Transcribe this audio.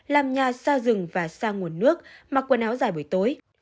làm nhà xa rừng và xa nguồn nước mặc quần áo dài buổi tối